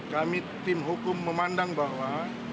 kami tim hukum memandang bahwa